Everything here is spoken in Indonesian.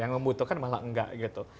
yang membutuhkan malah enggak gitu